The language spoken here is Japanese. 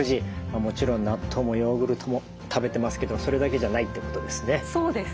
もちろん納豆もヨーグルトも食べてますけどそれだけじゃないってことですね。